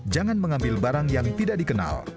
jangan mengambil barang yang tidak dikenal